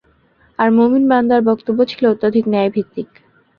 আর মুমিন বান্দার বক্তব্য ছিল অত্যধিক ন্যায়ভিত্তিক।